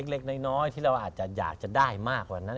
เล็กน้อยที่เราอาจจะอยากจะได้มากกว่านั้น